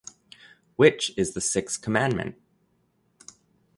Which is the sixth commandment?